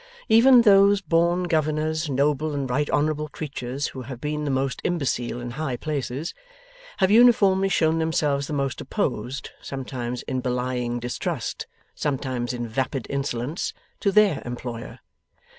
Even those born governors, noble and right honourable creatures, who have been the most imbecile in high places, have uniformly shown themselves the most opposed (sometimes in belying distrust, sometimes in vapid insolence) to THEIR employer.